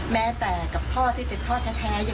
แม้แต่กับพ่อที่เป็นพ่อแท้ยังมีเหตุการณ์แบบนี้นะคะ